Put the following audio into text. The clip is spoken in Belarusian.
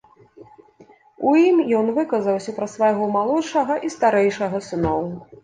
У ім ён выказаўся пра свайго малодшага і старэйшага сыноў.